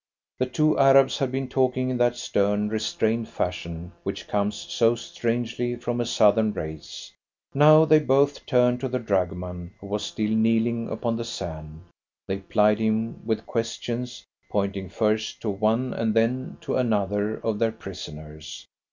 The two Arabs had been talking in that stern, restrained fashion which comes so strangely from a southern race. Now they both turned to the dragoman, who was still kneeling upon the sand. They plied him with questions, pointing first to one and then to another of their prisoners.